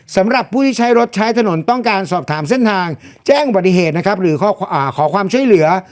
สำหรับผู้ที่ใช้รถใช้ถนนต้องการสอบถามเส้นทางแจ้งอุบัติเหตุนะครับหรือขอความช่วยเหลือ